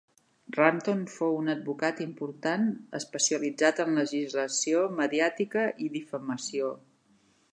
Rampton fou un advocat important especialitzat en legislació mediàtica i difamació.